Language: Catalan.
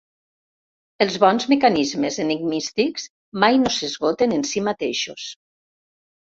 Els bons mecanismes enigmístics mai no s'esgoten en si mateixos.